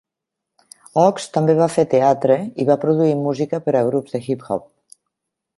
Ox també va fer teatre i va produir música per a grups de hip-hop.